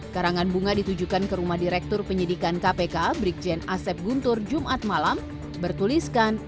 karangan bunga ditujukan ke rumah direktur penyidikan kpk brigjen asep guntur jumat malam bertuliskan